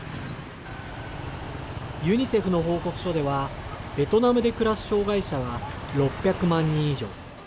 ユニセフの報告書ではベトナムで暮らす障害者は６００万人以上。